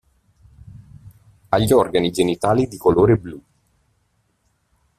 Ha gli organi genitali di colore blu.